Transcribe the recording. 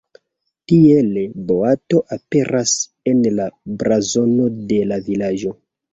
Tiele boato aperas en la blazono de la vilaĝo.